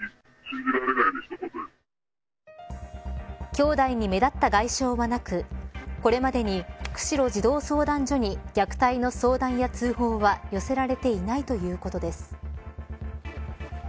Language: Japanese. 兄弟に目立った外傷はなくこれまでに釧路児童相談所に虐待の相談や通報は寄せられていないということです。